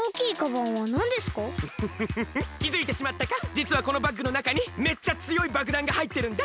じつはこのバッグのなかにめっちゃつよいばくだんがはいってるんだ。